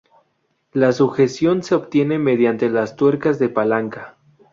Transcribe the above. La sujeción se obtiene mediante las tuercas de palanca.